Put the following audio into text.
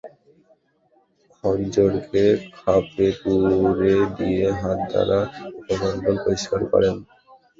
খঞ্জরকে খাপে পুরে দিয়ে হাত দ্বারা মুখমণ্ডল পরিষ্কার করেন।